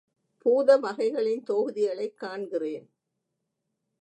பூத வகைகளின் தொகுதிகளைக் காண்கிறேன்.